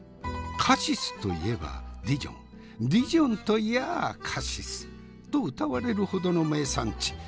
カシスといえばディジョンディジョンといやあカシスとうたわれるほどの名産地。